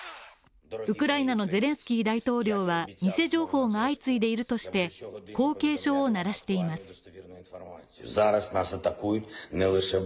ウクライナのゼレンスキー大統領は偽情報が相次いでいるとしてこう警鐘を鳴らしています。